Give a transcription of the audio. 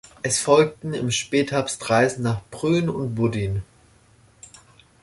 Es folgten im Spätherbst Reisen nach Brünn und Budin.